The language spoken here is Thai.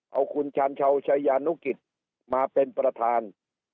เอาคุณสชนุกิจมาเป็นประธาน